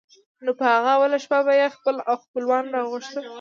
نو په هغه اوله شپه به یې خپل او خپلوان را غوښتل.